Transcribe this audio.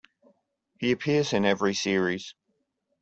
He appears in every series.